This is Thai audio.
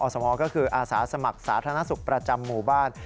สมก็คืออาสาสมัครสาธารณสุขประจำหมู่บ้าน